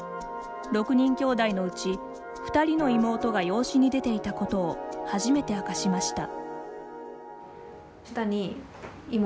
６人きょうだいのうち２人の妹が養子に出ていたことを初めて明かしました。